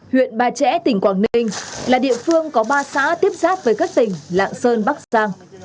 huyện ba trẻ tỉnh quảng ninh là địa phương có ba xã tiếp xác với các tỉnh lạng sơn bắc giang